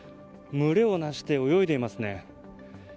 群れをなして泳いでいますね。